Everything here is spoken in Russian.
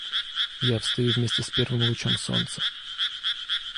– Я встаю вместе с первым лучом солнца.